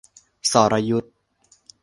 สรยุทธ